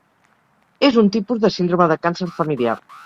És un tipus de síndrome de càncer familiar.